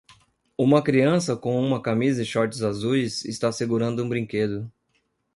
Uma criança com uma camisa e shorts azuis está segurando um brinquedo.